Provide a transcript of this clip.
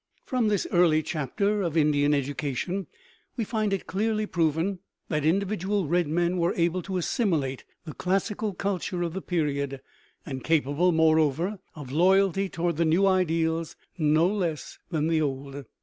From this early chapter of Indian education we find it clearly proven that individual red men were able to assimilate the classical culture of the period, and capable, moreover, of loyalty toward the new ideals no less than the old.